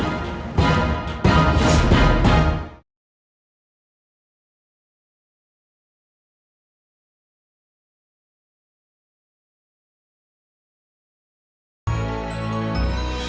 siapa saja yang akan membuatmu baik